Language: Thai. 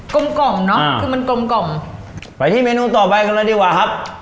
ลมกล่อมเนอะคือมันกลมกล่อมไปที่เมนูต่อไปกันเลยดีกว่าครับ